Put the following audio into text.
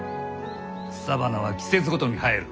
草花は季節ごとに生える。